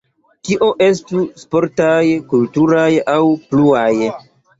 Tio estu sportaj, kulturaj aŭ pluaj.